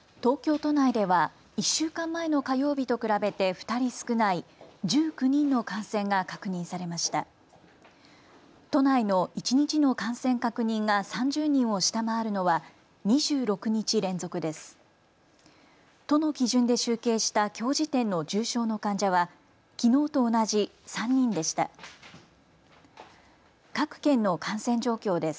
都内の一日の感染確認が３０人を下回るのは２６日連続です。